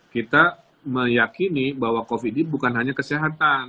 kita meyakini bahwa covid ini bukan hanya kesehatan